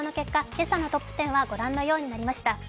今朝のトップ１０はご覧のようになりました。